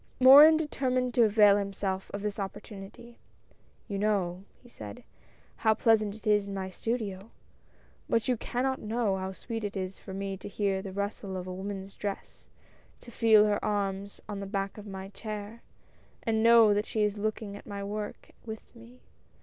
Morin determined to avail himself of this opportunity. "You know," he said, "how pleasant it is in my studio ; but you cannot know how sweet it is for me to hear the rustle of a woman's dress, to feel her arms on the back of my chair, and know she is looking at my work with me.